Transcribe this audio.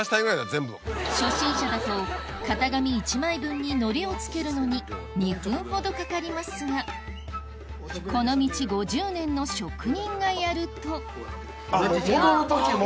初心者だと型紙１枚分に糊をつけるのに２分ほどかかりますがこの道５０年の職人がやるとあっ戻る時も。